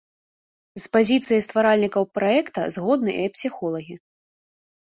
З пазіцыяй стваральнікаў праекта згодныя і псіхолагі.